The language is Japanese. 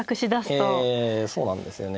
ええそうなんですよね。